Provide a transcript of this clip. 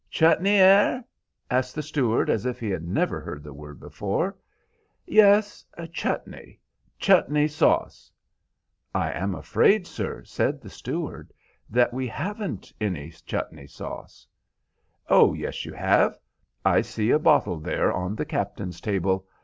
"Chutney, air?" asked the steward, as if he had never heard the word before. "Yes, chutney. Chutney sauce." "I am afraid, sir," said the steward, "that we haven't any chutney sauce." "Oh yes, you have. I see a bottle there on the captain's table.